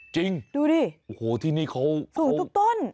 จริงดูดิสูงทุกต้นโอ้โฮที่นี่เขา